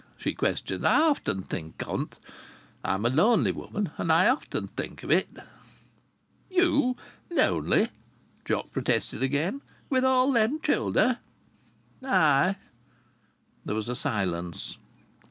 she questioned. "I often think of it I'm a lonely woman, and I often think of it." "You lonely!" Jock protested again. "With all them childer?" "Ay!" There was a silence.